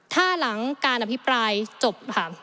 ถ้าหลังการอภิปรายจบค่ะ